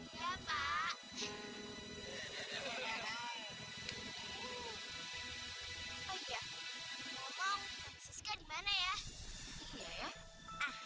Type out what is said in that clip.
bantuan mereka ya pak